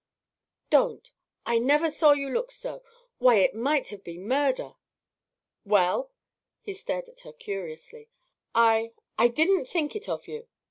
Don't! I never saw you look so. Why, it might have been murder!" "Well?" He stared at her, curiously. "I I didn't think it of you."